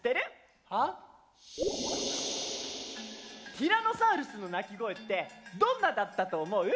ティラノサウルスの鳴き声ってどんなだったと思う？